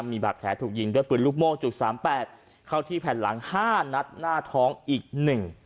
มีบาดแผลถูกยิงด้วยปืนลูกโม่จุดสามแปดเข้าที่แผ่นหลังห้านัดหน้าท้องอีกหนึ่ง